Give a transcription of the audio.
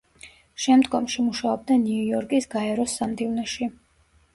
შემდგომში მუშაობდა ნიუ-იორკის გაეროს სამდივნოში.